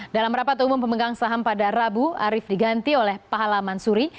dalam rapat umum pemegang saham pada rabu arief diganti oleh pahala mansuri